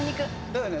だよね？